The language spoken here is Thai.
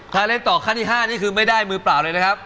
ถ้าเล่นต่อขั้นที่๕นี่คือไม่ได้มือเปล่าเลยนะครับ